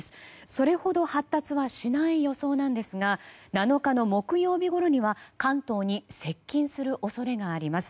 それほど発達はしない予想ですが７日の木曜日ごろには関東に接近する恐れがあります。